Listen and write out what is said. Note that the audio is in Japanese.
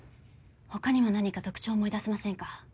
他にも何か特徴思い出せませんか？